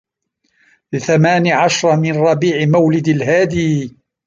لثمان عشر من ربيع مولد الهادي